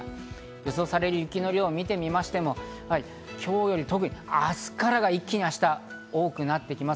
予想される雪の量を見ましても、今日より特に明日が一気に多くなってきます。